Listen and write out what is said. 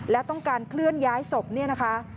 และต้องการเคลื่อนย้ายศพเนี่ยนะคะ